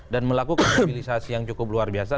dan melakukan konservisasi yang cukup luar biasa